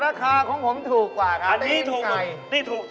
ราคาของผมถูกกว่าแต่เป็นไง